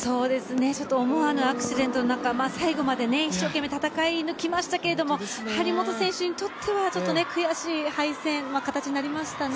ちょっと思わぬアクシデントの中で、最後まで一生懸命戦い抜きましたけど、張本選手にとっては、ちょっと悔しい敗戦、形になりましたね。